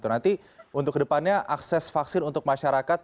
nanti untuk ke depannya akses vaksin untuk masyarakat